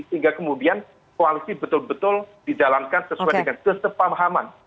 sehingga kemudian koalisi betul betul didalankan sesuai dengan kesepakaman